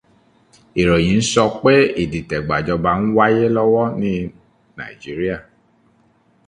Ìròyìn n sọ pé ìdìtẹ̀ gbàjọba n wáyé lọ́wọ́ ní Nàíjíríà.